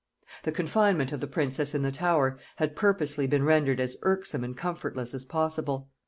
The confinement of the princess in the Tower had purposely been rendered as irksome and comfortless as possible.